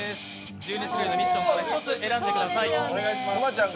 １２種類のミッションから１つ選んでください。